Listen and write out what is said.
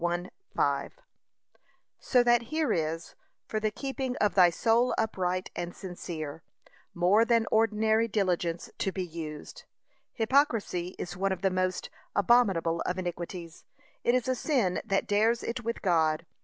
1:5) So that here is, for the keeping of thy soul upright and sincere, more than ordinary diligence to be used. Hypocrisy is one of the most abominable of iniquities. It is a sin that dares it with God.